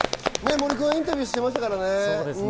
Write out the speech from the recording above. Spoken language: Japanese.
森君、インタビューしてましたからね。